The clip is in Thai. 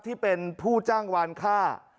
ที่เป็นผู้จ้างวานค่า